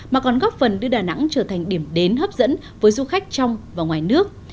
mà còn góp phần đưa đà nẵng trở thành điểm đến hấp dẫn với du khách trong và ngoài nước